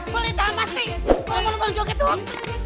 mau lo bang joket dong